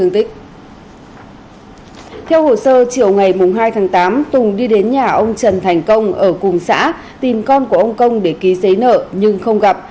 theo hồ sơ chiều ngày hai tháng tám tùng đi đến nhà ông trần thành công ở cùng xã tìm con của ông công để ký giấy nợ nhưng không gặp